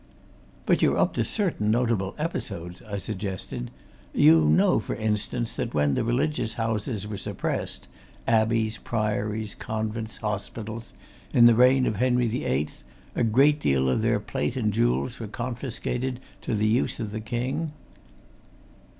"But you're up to certain notable episodes?" I suggested. "You know, for instance, that when the religious houses were suppressed abbeys, priories, convents, hospitals in the reign of Henry the Eighth, a great deal of their plate and jewels were confiscated to the use of the King?"